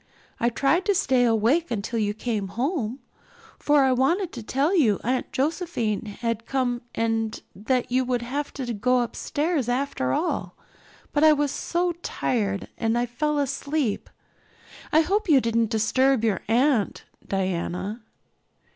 I tried to stay awake until you came home, for I wanted to tell you Aunt Josephine had come and that you would have to go upstairs after all, but I was so tired I fell asleep. I hope you didn't disturb your aunt, Diana."